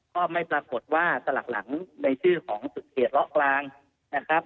ก็ไม่ปรากฏว่าสลักหลังในชื่อของสุดเขตเลาะกลางนะครับ